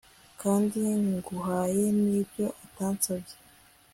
kandi nguhaye n'ibyo utansabye